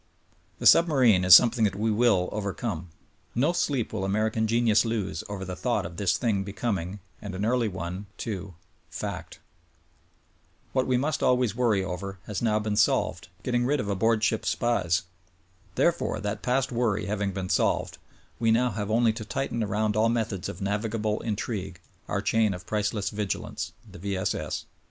The submarine is something that we will overcome. No sleep will Ameri can genius lose over the thought of this thing becoming, and an early one, too —fact. What we must always worry over has now been solved— getting rid of aboard ship — SPIES. Therefore, that past worry having been solved, we now 'have only to tighten around all methods of navigable intrigue, our chain of priceless vigilance— the V. S. S.